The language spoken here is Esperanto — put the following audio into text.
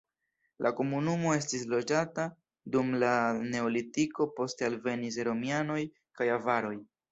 La komunumo estis loĝata dum la neolitiko, poste alvenis romianoj kaj avaroj.